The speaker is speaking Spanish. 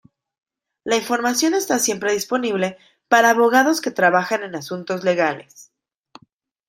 La información está siempre disponible para abogados que trabajan en asuntos legales.